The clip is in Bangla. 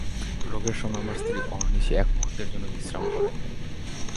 রোগের সময় আমার স্ত্রী অহর্নিশি এক মুহূর্তের জন্য বিশ্রাম করেন নাই।